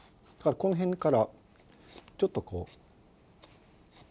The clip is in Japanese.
この辺からちょっとこう。